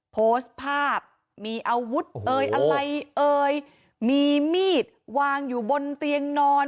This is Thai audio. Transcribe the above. โพสต์ภาพมีอาวุธมีมีดวางอยู่บนเตียงนอน